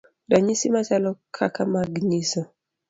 Ranyisi machalo kaka mag nyiso